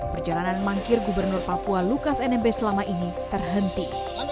perjalanan mangkir gubernur papua lukas nmb selama ini terhenti